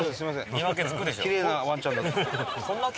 見分けつくでしょ？